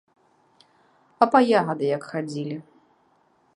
А па ягады як хадзілі?